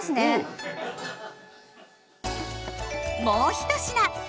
もう１品！